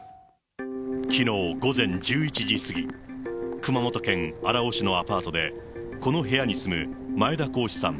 きのう午前１１時過ぎ、熊本県荒尾市のアパートで、この部屋に住む前田好志さん